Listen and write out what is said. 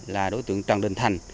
là đối tượng trần đình thành